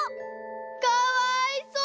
かわいそう！